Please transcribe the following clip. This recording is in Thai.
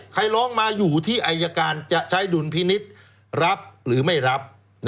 ใครร้องมาอยู่ที่อายการจะใช้ดุลพินิษฐ์รับหรือไม่รับ